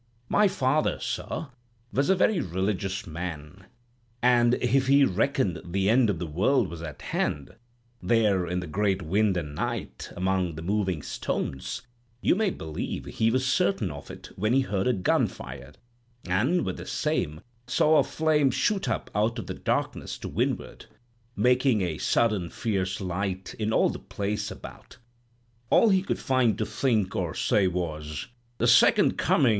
My father, sir, was a very religious man; and if he reckoned the end of the world was at hand—there in the great wind and night, among the moving stones—you may believe he was certain of it when he heard a gun fired, and, with the same, saw a flame shoot up out of the darkness to windward, making a sudden fierce light in all the place about. All he could find to think or say was, 'The Second Coming!